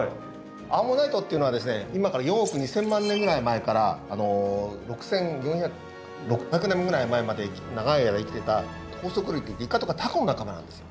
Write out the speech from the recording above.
アンモナイトっていうのは今から４億２，０００万年ぐらい前から６，６００万年ぐらい前まで長い間生きてた頭足類っていってイカとかタコの仲間なんですよ。